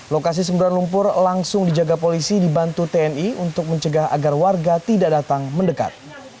lokasi semburan lumpur langsung dijaga polisi dibantu tni untuk mencegah agar warga tidak datang mendekat